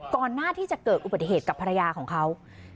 ก่อนหน้าที่จะเกิดอุบัติเหตุกับภรรยาของเขา